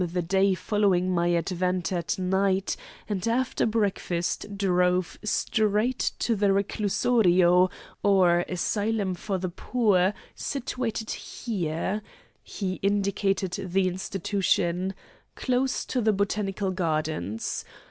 the day following my advent at night, and after breakfast drove straight to the Reclusorio, or Asylum for the Poor, situated here" (he indicated the institution), "close to the Botanical Gardens.